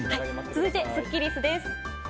続いてスッキりすです。